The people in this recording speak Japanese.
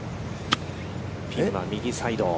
ピンは右サイド。